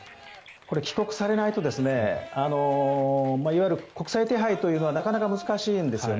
これ、帰国されないといわゆる国際手配というのはなかなか難しいんですよね。